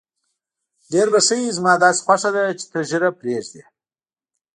ډېر به ښه وي، زما داسې خوښه ده چې ته ږیره پرېږدې.